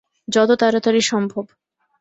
যত তাড়াতাড়ি সম্ভব!